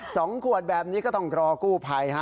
สองขวดแบบนี้ก็ต้องรอกู้ภัยฮะ